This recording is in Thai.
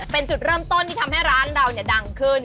เป็นจุดเริ่มต้นที่ทำให้ร้านเราดังขึ้น